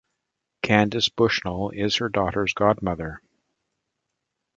Candace Bushnell is her daughter's godmother.